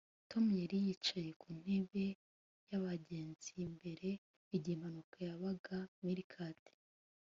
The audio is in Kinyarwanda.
Tom yari yicaye ku ntebe yabagenzi imbere igihe impanuka yabaga meerkat